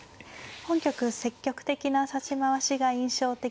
本局積極的な指し回しが印象的でした。